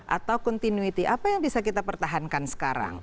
atau continuity apa yang bisa kita pertahankan sekarang